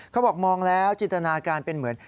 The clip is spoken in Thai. เขาบอกมองแล้วจินตนาการเป็นเหมือน